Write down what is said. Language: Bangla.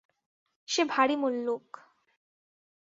সে ভারী মুল্লুক।